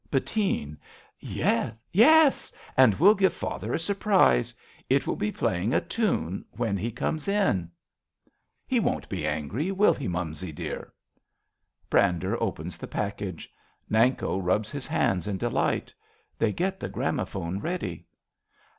Bettine. Yes ! Yes ! And we'll give father a surprise ! It shall be playing a tune when he comes in ! 45 RADA He won't be angry, will he, mumsy dear? (Brander opens the package. Nanko rubs his hands in delight. They get the gramophone ready.)